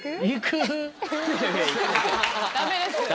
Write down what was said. ダメです。